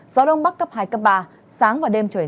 gió đông bắc cấp hai cấp ba sáng và đêm trời rét